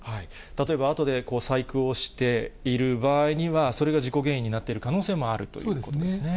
例えば、あとで細工をしている場合には、それが事故原因になっている可能性もあるということそうですね。